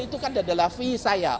itu kan adalah fee saya